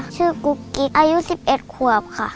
ชื่อกูกิ้งอายุ๑๑ควบค่ะ